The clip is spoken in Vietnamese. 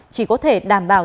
chỉ có thể đảm bảo